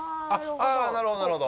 ああなるほどなるほど。